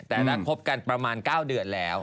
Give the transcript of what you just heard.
แต่ถ้าคบกันประมาณ๙เดือนแล้ว